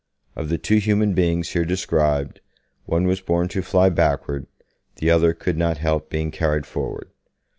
Of the two human beings here described, one was born to fly backward, the other could not help being carried forward.